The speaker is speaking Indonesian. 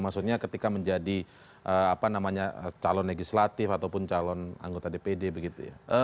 maksudnya ketika menjadi calon legislatif ataupun calon anggota dpd begitu ya